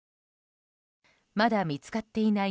まだ見つかっていない